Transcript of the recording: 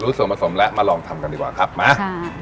รู้ส่วนผสมแล้วมาลองทำกันดีกว่าครับมา